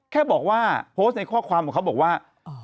แค่บอกว่าโพสต์ในข้อความของเขาบอกว่า